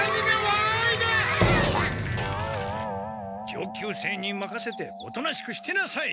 上級生にまかせておとなしくしてなさい！